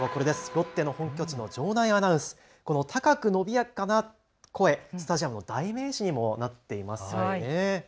ロッテの本拠地の場内アナウンス、この高く伸びやかな声、スタジアムの代名詞にもなっていますよね。